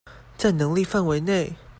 在能力範圍內